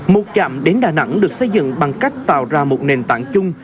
một chạm đến đà nẵng được xây dựng bằng cách tạo ra một nền tảng chung